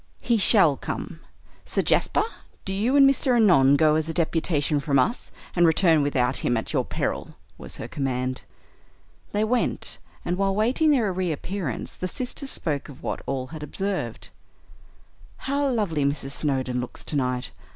"He shall come. Sir Jasper, do you and Mr. Annon go as a deputation from us, and return without him at your peril" was her command. They went, and while waiting their reappearance the sisters spoke of what all had observed. "How lovely Mrs. Snowdon looks tonight.